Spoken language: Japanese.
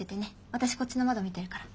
私こっちの窓見てるから。